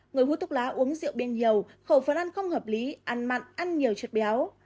người hút thuốc lá uống rượu bia nhiều khẩu phần ăn không hợp lý ăn mặn ăn nhiều chất béo